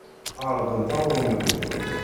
Ɛerḍent aɣrum-nni.